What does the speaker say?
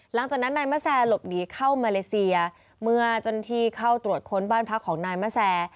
หลังจากนั้นนายมะแซหลบหนีเข้ามาเลเซียเมื่อเจ้าหน้าที่เข้าตรวจค้นบ้านพักของนายมะแซ